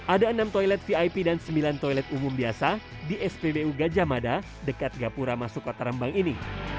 ada enam toilet vip dan sembilan toilet umum biasa di spbu gajah mada dekat gapura masuk kota rembang ini